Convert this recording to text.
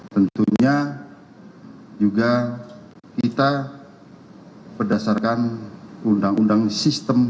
tentunya juga kita berdasarkan undang undang sistem